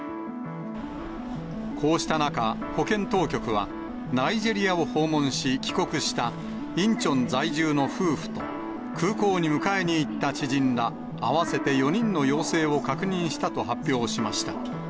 こうした中、保健当局はナイジェリアを訪問し、帰国した、インチョン在住の夫婦と、空港に迎えに行った知人ら、合わせて４人の陽性を確認したと発表しました。